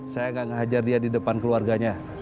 saya nggak hajar dia di depan keluarganya